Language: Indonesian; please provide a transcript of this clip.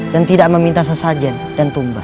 dan tidak meminta sesajen dan tumbah